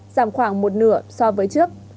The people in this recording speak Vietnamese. giảm khoảng một nửa so với trước